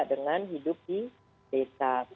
dengan hidup di desa